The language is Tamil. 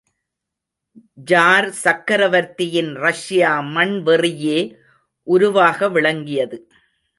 ஜார்சக்கரவர்த்தியின் ரஷ்யா மண் வெறியே உருவாக விளங்கியது.